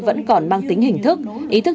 vẫn còn mang tính hình thức ý thức